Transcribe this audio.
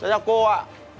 chào cháu cô ạ